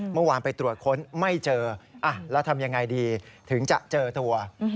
เมื่อวานไปตรวจค้นไม่เจอแล้วทำยังไงดีถึงจะเจอตัว